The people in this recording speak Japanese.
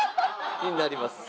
になります。